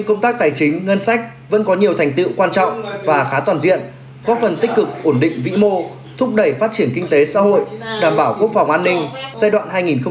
công tác tài chính ngân sách vẫn có nhiều thành tựu quan trọng và khá toàn diện góp phần tích cực ổn định vĩ mô thúc đẩy phát triển kinh tế xã hội đảm bảo quốc phòng an ninh giai đoạn hai nghìn một mươi sáu hai nghìn hai mươi